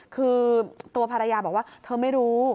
คือตัวภรรยาบอกว่าเธอไม่รู้